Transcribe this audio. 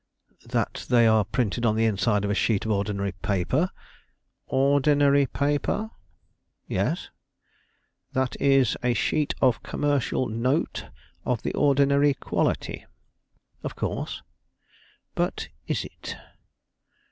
"That they are printed on the inside of a sheet of ordinary paper " "Ordinary paper?" "Yes." "That is, a sheet of commercial note of the ordinary quality." "Of course." "But is it?"